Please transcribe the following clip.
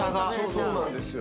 そうなんですよ。